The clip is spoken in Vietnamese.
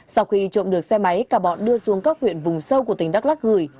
sau khi trộm được xe máy cả bọn đưa xuống các huyện vùng sâu của tỉnh đắk lắc gửi